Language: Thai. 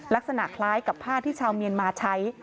ลักษณะคล้ายกับผ้าที่ชาวเมียนมาใช้